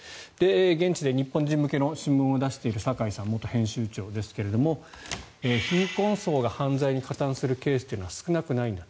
現地で日本人向けの新聞を出している酒井さん、元編集長ですが貧困層が犯罪に加担するケースというのは少なくないんだと。